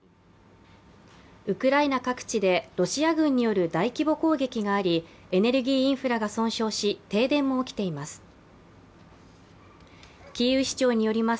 ウクライナ各地でロシア軍による大規模攻撃がありエネルギーインフラが損傷し、停電も起きています。